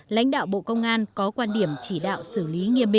lãnh đạo bộ công an có quan điểm về vụ án lãnh đạo bộ công an có quan điểm về vụ án